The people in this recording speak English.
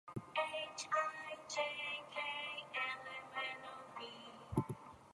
Adolphus can also appear as a surname, as in John Adolphus, the English historian.